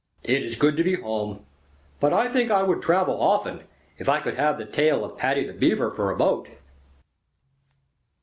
"It is good to be home, but I think I would travel often, if I could have the tail of Paddy the Beaver for a boat."